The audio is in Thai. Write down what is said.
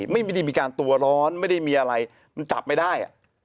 ไม่ได้มีการตัวร้อนไม่ได้มีอะไรมันจับไม่ได้